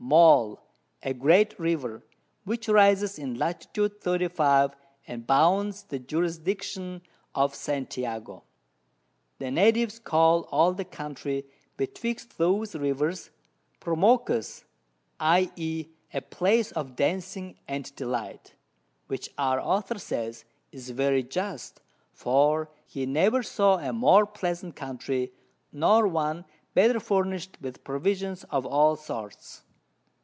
Maul, a great River, which rises in Lat. 35. and bounds the Jurisdiction of St. Jago. The Natives call all the Country betwixt those Rivers, Promocaes, i.e. a Place of Dancing and Delight, which our Author says is very just, for he never saw a more pleasant Country, nor one better furnish'd with Provisions of all sorts.